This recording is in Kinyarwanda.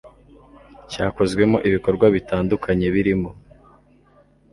cyakozwemo ibikorwa bitandukanye birimo